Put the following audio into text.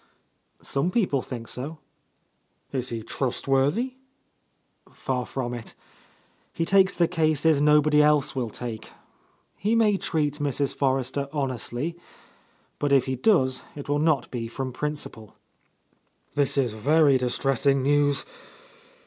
"Some people think so." "Is he trustworthy?" "Far from it. He takes the cases nobody else will take. He may treat Mrs. Forrester honestly. But if he does, it will not be froir principle." "This is very distressing news.